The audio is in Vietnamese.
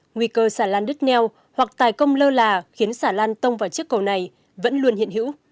nguy cơ xà lan đứt neo hoặc tài công lơ là khiến xà lan tông vào chiếc cầu này vẫn luôn hiện hữu